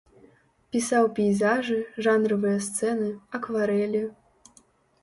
Пісаў пейзажы, жанравыя сцэны, акварэлі.